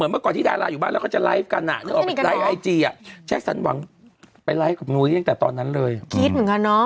คือก่อนที่ดาราอยู่บ้านตอนที่โควิดใหม่